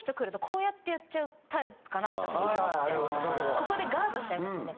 ここでガードしちゃいますよね。